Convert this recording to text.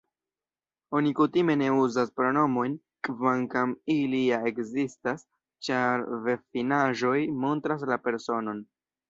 Oni kutime ne uzas pronomojn, kvankam ili ja ekzistas, ĉar verbfinaĵoj montras la personon.